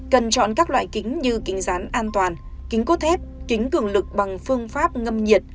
cần chọn các loại kính như kính rán an toàn kính cốt thép kính cường lực bằng phương pháp ngâm nhiệt